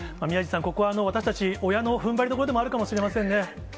宮治さん、ここは私たち、親のふんばりどころでもあるかもしれませんね。